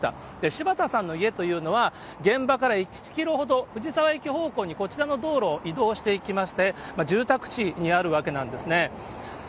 柴田さんの家というのは、現場から１キロほど、藤沢駅方向にこちらの道路を移動していきまして、住宅地にあるわけなんですね。